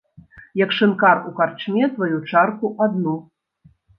Як шынкар у карчме тваю чарку адну.